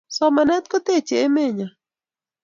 Somanet ko techei emet nyoo